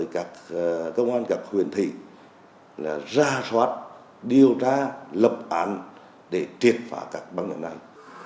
các cơ sở này đều đều đều đều đều đều đều đều đều đều đều đều đều đều đều